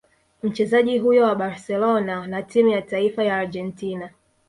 Mchezaji huyo wa Barcelona na timu ya taifa ya Argentina